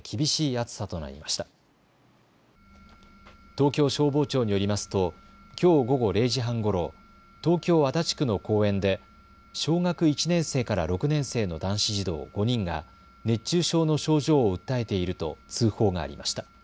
東京消防庁によりますときょう午後０時半ごろ、東京足立区の公園で小学１年生から６年生の男子児童５人が熱中症の症状を訴えていると通報がありました。